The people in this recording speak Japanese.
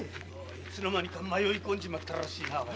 いつの間にか迷い込んじまったらしいな。